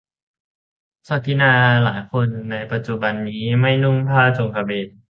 ศักดินาหลายคนในปัจจุบันนี้ ไม่นุ่งผ้าโจงกระเบน